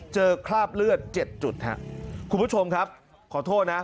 เจอคราบเลือด๗จุดครับคุณผู้ชมครับขอโทษนะ